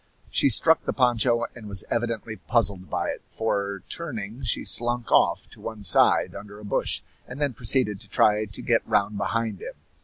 She struck the poncho and was evidently puzzled by it, for, turning, she slunk off to one side, under a bush, and then proceeded to try to get round behind him.